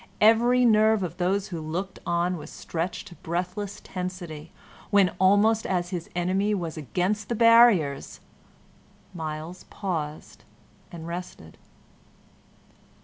Every nerve of those who looked on was stretched to breathless tensity, when, almost as his enemy was against the barriers, Myles paused and rested.